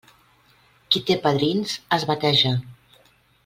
Qui té padrins, es bateja.